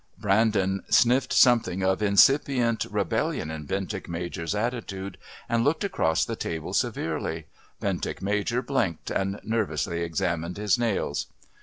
Brandon sniffed something of incipient rebellion in Bentinck Major's attitude and looked across the table severely. Bentinck Major blinked and nervously examined his nails.